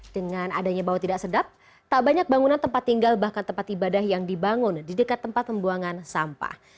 dengan adanya bau tidak sedap tak banyak bangunan tempat tinggal bahkan tempat ibadah yang dibangun di dekat tempat pembuangan sampah